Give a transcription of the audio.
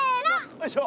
よいしょ！